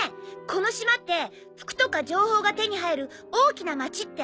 この島って服とか情報が手に入る大きな街ってありますか？